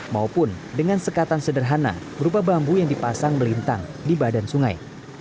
maupun dengan sekatan sederhana berupa bambu yang dipasang melintang di badan sungai